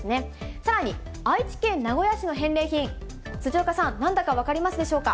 さらに、愛知県名古屋市の返礼品、辻岡さん、なんだか分かりますでしょうか。